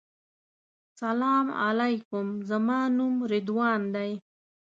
سلام علیکم زما نوم رضوان دی.